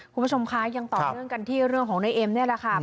คุณผู้ชมคะยังต่อเนื่องกันที่เรื่องของนายเอ็มนี่แหละค่ะ